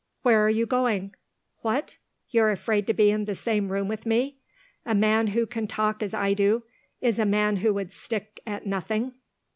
Where are you going? What? You're afraid to be in the same room with me? A man who can talk as I do, is a man who would stick at nothing?